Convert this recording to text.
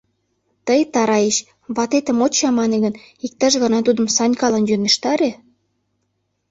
— Тый, Тараич, ватетшым от чамане гын, иктаж-гана тудым Санькалан йӧнештаре...